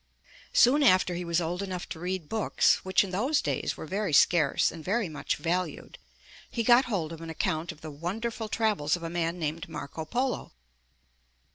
Soon after he was old enough to read books, which in those days were very scarce and very much valued, he got hold of an account of the wonderful travels of a man named Marco Polo.